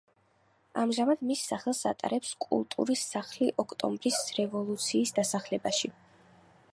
ამჟამად მის სახელს ატარებს კულტურის სახლი ოქტომბრის რევოლუციის დასახლებაში.